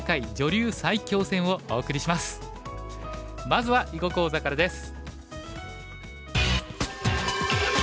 まずは囲碁講座からです。